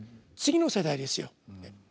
次の世代ですよ。